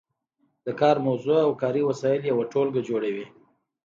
د کار موضوع او کاري وسایل یوه ټولګه جوړوي.